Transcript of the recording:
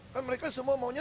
kan mereka semua maunya